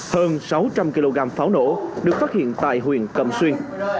hơn sáu trăm linh kg pháo nổ được phát hiện tại huyện cầm xuyên